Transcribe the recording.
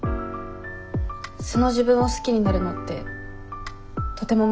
素の自分を好きになるのってとても難しいです。